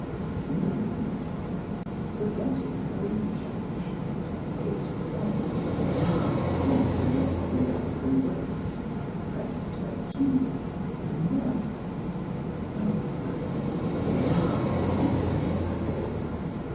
In the meantime, forgetting her injunctions and his promise, he slipped his arm around her waist, pressed her to him and murmured: "I love you dearly, my little Made."